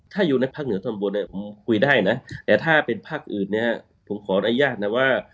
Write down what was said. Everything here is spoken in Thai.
ถ้าอยู่ในภาคเหนือตอนบนผมคุยได้นะแต่ถ้าเป็นภาคอื่นเนี่ยผมขออนุญาตนะว่า